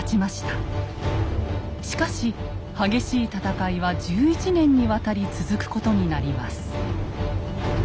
しかし激しい戦いは１１年にわたり続くことになります。